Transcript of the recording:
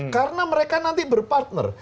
karena mereka nanti berpartner